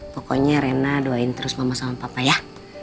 pokoknya rena doain terus mama sama papa ya